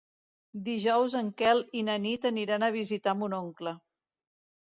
Dijous en Quel i na Nit aniran a visitar mon oncle.